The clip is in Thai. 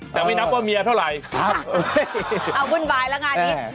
แต่ไม่นับว่าเมียเท่าไหร่เอาวุ่นวายแล้วงานนี้